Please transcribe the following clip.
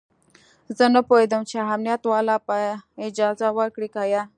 زه نه پوهېدم چې امنيت والا به اجازه ورکړي که يه.